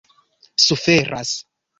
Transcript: suferas